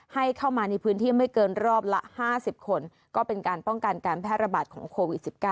ให้เข้ามาในพื้นที่ไม่เกินรอบละ๕๐คนก็เป็นการป้องกันการแพร่ระบาดของโควิด๑๙